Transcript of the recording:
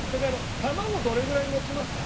卵どれぐらい持ちますかね？